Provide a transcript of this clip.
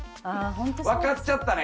分かっちゃったね